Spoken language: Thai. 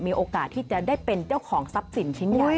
มีโอกาสที่จะได้เป็นเจ้าของทรัพย์สินชิ้นใหญ่